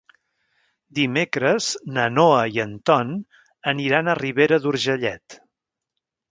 Dimecres na Noa i en Ton aniran a Ribera d'Urgellet.